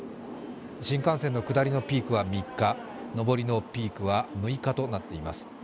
新幹線の下りのピークは３日、上りのピークは６日となっています